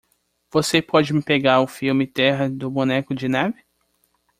Você pode me pegar o filme Terra do Boneco de Neve?